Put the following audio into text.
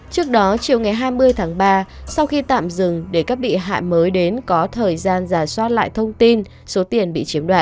trước đó chiều ngày hai mươi tháng ba sau khi tạm dừng để các bị hại mới đến có thời gian giả soát lại thông tin số tiền bị chiếm đoạt